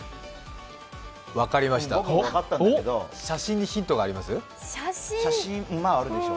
分かりました、写真にヒントがあります？